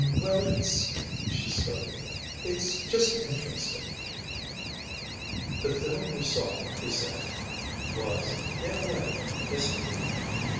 "Well, it's ..." she started. "It's just interesting." "The film you saw," he said, "was, in a way, history.